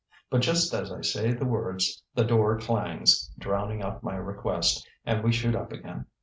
But just as I say the words the door clangs, drowning out my request, and we shoot up again.